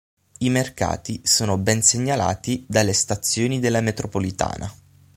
I mercati sono ben segnalati dalle stazioni della metropolitana.